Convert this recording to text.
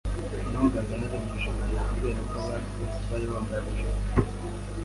Numvaga narengeje urugero kubera ko abandi bose bari bambaye amajipo.